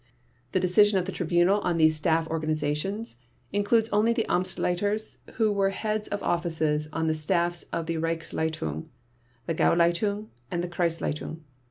The decision of the Tribunal on these staff organizations includes only the Amtsleiters who were heads of offices on the staffs of the Reichsleitung, Gauleitung, and Kreisleitung.